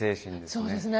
そうですね。